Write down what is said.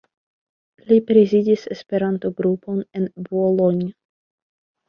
Li prezidis Esperanto-grupon en Boulogne.